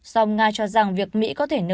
xong nga cho rằng việc mỹ có thể nửa